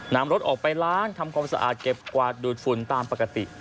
นำรถออกไปล้างทำความสะอาดเก็บกวาดดูดฝุ่นตามปกติ